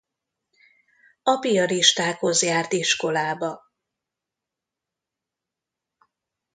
A piaristákhoz járt iskolába.